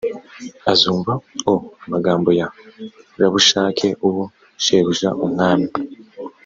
azumva o amagambo ya rabushake uwo shebuja umwami